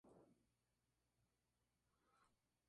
Estudió en la Universidad Rutgers, donde obtuvo su título de Danza.